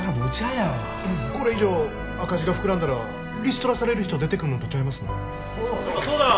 これ以上赤字が膨らんだらリストラされる人出てくんのとちゃいますの？